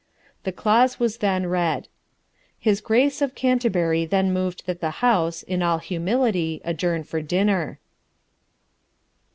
The clause was then read. His Grace of Canterbury then moved that the House, in all humility, adjourn for dinner.